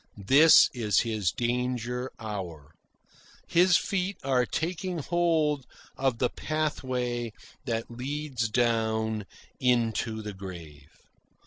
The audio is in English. This is his danger hour. His feet are taking hold of the pathway that leads down into the grave.